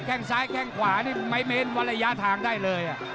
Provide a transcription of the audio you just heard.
แค่งซ้ายแข้งขวานี่ไม้เม้นวัดระยะทางได้เลย